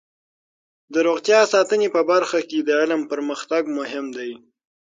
د روغتیا ساتنې په برخه کې د علم پرمختګ مهم دی.